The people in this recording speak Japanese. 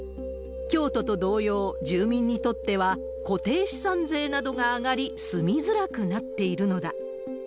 京都と同様、住民にとっては固定資産税などが上がり、住みづらくなっているのだ。